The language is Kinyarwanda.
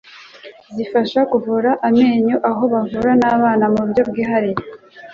zifasha kuvura amenyo aho bavura n'abana mu buryo bwihariye.